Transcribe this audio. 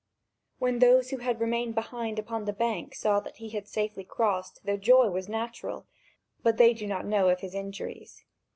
When those who had remained behind upon the bank saw that he had safely crossed, their joy was natural; but they do not know of his injuries.